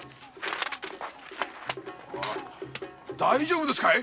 大丈夫ですかい？